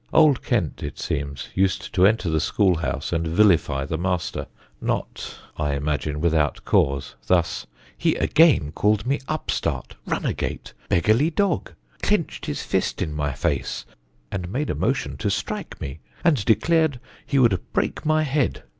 Old Kent, it seems, used to enter the school house and vilify the master, not, I imagine, without cause. Thus: "He again called me upstart, runagate, beggarly dog, clinched his fist in my face, and made a motion to strike me, and declared he would break my head.